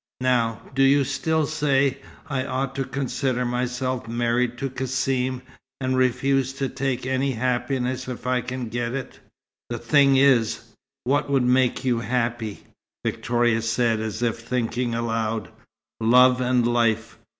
Now, do you still say I ought to consider myself married to Cassim, and refuse to take any happiness if I can get it?" "The thing is, what would make you happy?" Victoria said, as if thinking aloud. "Love, and life.